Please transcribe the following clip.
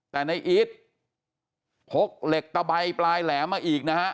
แต่ในอีทพกเหล็กตะใบปลายแหลมมาอีกนะฮะ